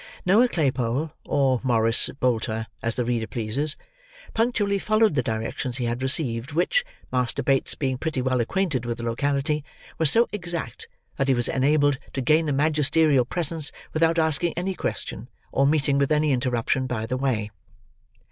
Noah Claypole, or Morris Bolter as the reader pleases, punctually followed the directions he had received, which—Master Bates being pretty well acquainted with the locality—were so exact that he was enabled to gain the magisterial presence without asking any question, or meeting with any interruption by the way.